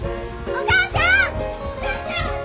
お母ちゃん！